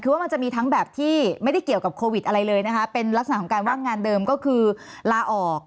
คือว่ามันจะมีทั้งแบบที่ไม่ได้เกี่ยวกับโควิดอะไรเลยนะคะเป็นลักษณะของการว่างงานเดิมก็คือลาออก